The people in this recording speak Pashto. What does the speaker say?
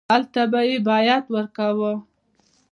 هلته به یې بیعت ورکاوه.